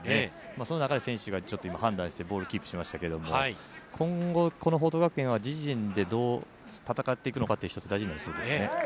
その中で選手がちょっと今、判断してボールをキープしましたけど、今後、この報徳学園は自陣でどう戦っていくのかという一つ、大事になりそうですね。